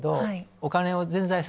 お金を。